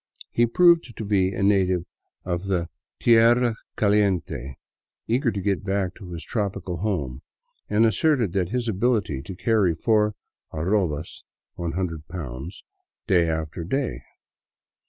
He proved to be a native of the tierra caliente, eager to get back to his tropical home, and asserted his abiHty to carry four arrobas (lOO pounds) day after day.